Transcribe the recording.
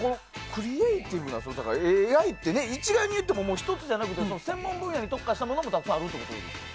ＡＩって一概に言っても１つじゃなくて専門分野に特化したものがたくさんあるってことですか。